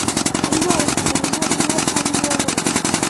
Intwari kumurimo uwo ariwo wose